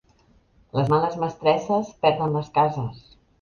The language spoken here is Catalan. Les males mestresses perden les cases.